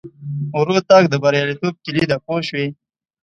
ورو تګ د بریالیتوب کیلي ده پوه شوې!.